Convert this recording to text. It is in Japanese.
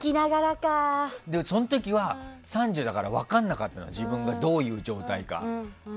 その時は３０だから分からなかったの自分がどういう状態か。